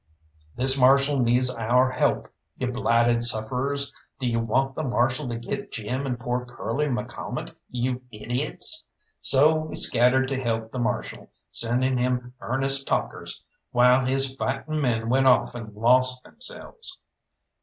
This Marshal needs our help, you blighted sufferers. Do you want the Marshal to get Jim and pore Curly McCalmont, you idiots?" So we scattered to help the Marshal, sending him earnest talkers while his fighting men went off and lost themselves.